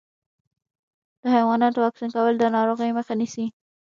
د حیواناتو واکسین کول د ناروغیو مخه نیسي.